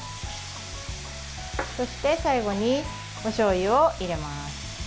そして、最後におしょうゆを入れます。